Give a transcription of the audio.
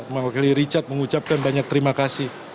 mewakili richard mengucapkan banyak terima kasih